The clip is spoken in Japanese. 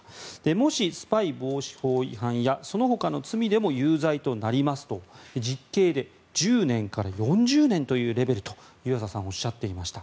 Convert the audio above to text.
もし、スパイ防止法違反やそのほかの罪でも有罪となりますと実刑で１０年から４０年というレベルだと湯浅さんはおっしゃっていました。